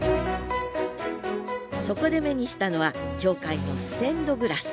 そこで目にしたのは教会のステンドグラス。